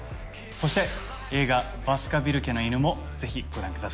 そして映画『バスカヴィル家の犬』もぜひご覧ください。